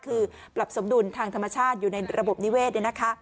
คือปรับสมดุลทางธรรมชาติอยู่ในระบบนิเวศ